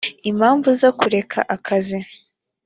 impamvu zo kureka akazi